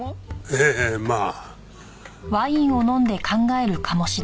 ええまあ。